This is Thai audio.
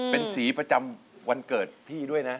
เป็นสีประจำวันเกิดพี่ด้วยนะ